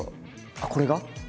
あっこれが？